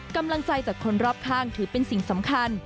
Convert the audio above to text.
กำลังใจจากคนรอบข้างถือเป็นสิ่งสำคัญ